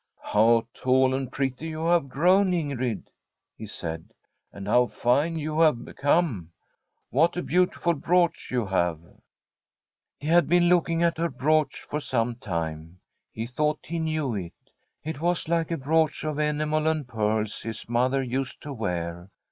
* How tall and pretty you have grown, Ingrid !' he said. * And how fine you have become ! What a beautiful brooch you have !' He had been looking at her brooch for some time. He thought he knew it; it was like a brooch of enamel and pearls his mother used to wear.